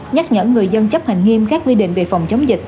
người dân chấp hành nghiêm các quy định về phòng chống dịch